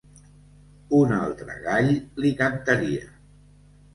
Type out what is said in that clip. Un altre gall li cantaria.